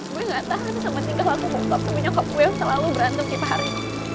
gue gak tahan sama singkah laku bokap sama nyokap gue yang selalu berantem tiap hari